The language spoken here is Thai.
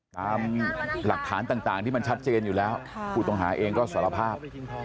ตามหลักฐานต่างที่มันชัดเจนอยู่แล้วผู้ต้องหาเองก็สารภาพ